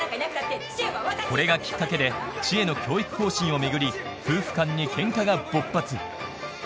これがきっかけで知恵の教育方針を巡り夫婦間にケンカが勃発